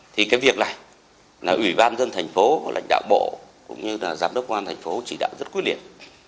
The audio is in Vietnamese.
thì cái việc này ủy ban nhân tp lãnh đạo bộ cũng như là giám đốc công an tp chỉ đạo rất quyết liệt